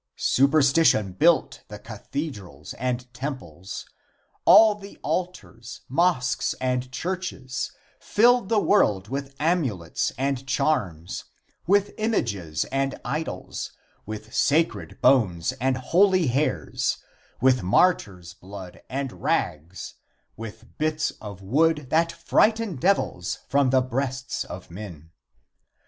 Superstition built the cathedrals and temples, all the altars, mosques and churches, filled the world with amulets and charms, with images and idols, with sacred bones and holy hairs, with martyrs' blood and rags, with bits, of wood that frighten devils from the breasts of men.